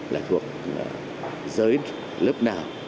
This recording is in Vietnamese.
là thuộc dưới lớp nào